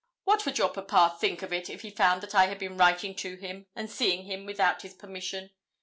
What would your papa think of it if he found that I had been writing to him, and seeing him without his permission?